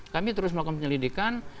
kami terus melakukan penyelidikan